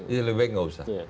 lebih baik nggak usah